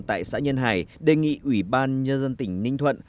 tại xã nhân hải đề nghị ủy ban nhân dân tỉnh ninh thuận